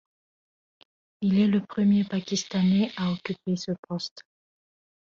Il est le premier Pakistanais à occuper ce poste.